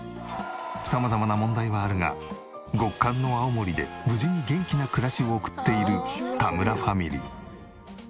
様々な問題はあるが極寒の青森で無事に元気な暮らしを送っている田村ファミリー。